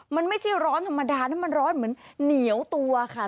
มันไม่ใช่ร้อนธรรมดานะมันร้อนเหมือนเหนียวตัวค่ะ